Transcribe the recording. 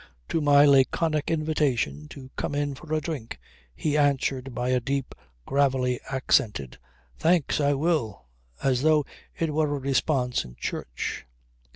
To my laconic invitation to come in for a drink he answered by a deep, gravely accented: "Thanks, I will" as though it were a response in church.